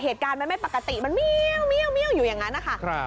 เหตุการณ์มันไม่ปกติมันเมียวอยู่อย่างนั้นนะคะ